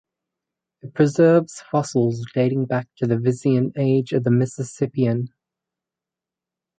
It preserves fossils dating back to the Visean Age of the Mississippian.